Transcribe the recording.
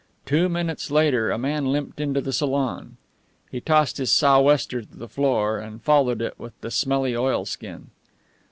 Two minutes later a man limped into the salon. He tossed his sou'wester to the floor and followed it with the smelly oilskin.